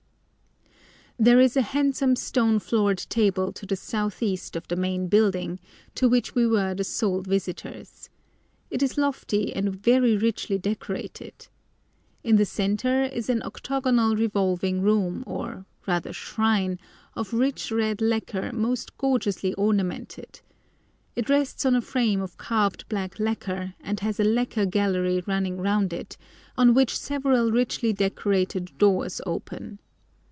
There is a handsome stone floored temple to the south east of the main building, to which we were the sole visitors. It is lofty and very richly decorated. In the centre is an octagonal revolving room, or rather shrine, of rich red lacquer most gorgeously ornamented. It rests on a frame of carved black lacquer, and has a lacquer gallery running round it, on which several richly decorated doors open.